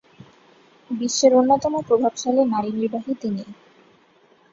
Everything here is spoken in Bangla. বিশ্বের অন্যতম প্রভাবশালী নারী নির্বাহী তিনি।